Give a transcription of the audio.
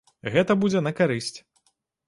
Гэта будзе на карысць.